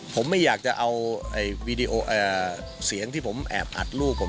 ผมไม่อยากจะเอาวีดีโอเสียงที่ผมแอบอัดลูกผม